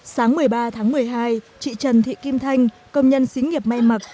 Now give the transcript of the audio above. sáng một mươi ba tháng một mươi hai chị trần thị kim thanh công nhân xí nghiệp may mặc